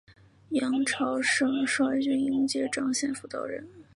杨朝晟率军迎接张献甫到任。